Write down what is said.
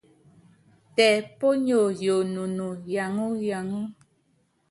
Tɛ ponyoo yoonúnú yaŋɔ yaŋɔ.